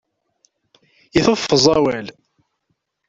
Iteffeẓ awal.